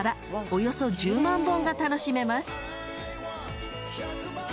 およそ１０万本が楽しめます］